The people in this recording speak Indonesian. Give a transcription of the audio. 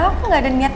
aku nggak ada niat